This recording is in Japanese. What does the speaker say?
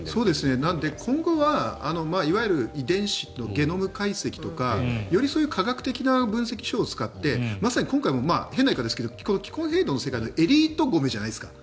なので今後はいわゆる遺伝子のゲノム解析とかより、そういう科学的な分析を使って変な言い方ですが気候変動の世界のエリート米じゃないですか。